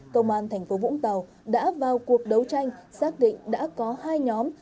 công an tp vũng tàu đã vào cuộc đấu tranh xác định đã có hai nhóm